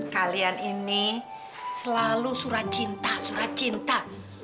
kalian ini selalu surat cinta surat cinta